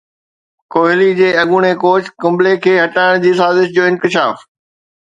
ڪوهلي جي اڳوڻي ڪوچ ڪمبلي کي هٽائڻ جي سازش جو انڪشاف